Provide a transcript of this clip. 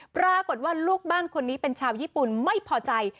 ปรากฏว่าลูกบ้านคนนี้เป็นชาวญี่ปุ่นไม่พอใจ